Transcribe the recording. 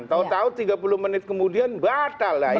tahu tahu tiga puluh menit kemudian batal lah